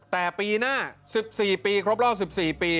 แต่ปีหน้า๑๔ปีครบรอบ๑๔ปี